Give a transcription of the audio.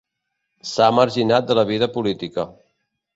S'ha marginat de la vida política.